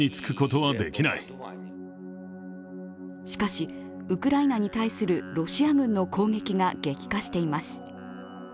しかし、ウクライナに対するロシア軍の攻撃が激化しています